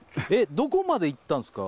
どこまでいったんすか？